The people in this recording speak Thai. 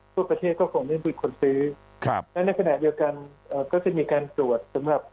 ทั่วประเทศก็คงไม่มีคนซื้อครับและในขณะเดียวกันก็จะมีการตรวจสำหรับ